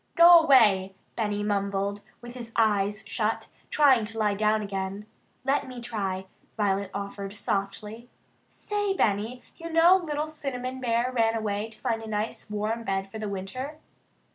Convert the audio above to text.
"Go away!" Benny mumbled with his eyes shut, trying to lie down again. "Let me try," Violet offered softly. "Say, Benny, you know little Cinnamon Bear ran away to find a nice warm bed for the winter?